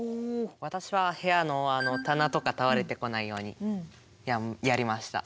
私は部屋の棚とか倒れてこないようにやりました。